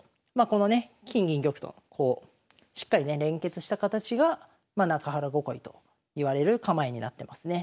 このね金銀玉とこうしっかりね連結した形が中原囲いといわれる構えになってますね。